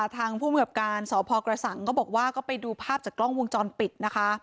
ทางภูมิกับการสพกระสังก็บอกว่าก็ไปดูภาพจากกล้องวงจรปิดนะคะ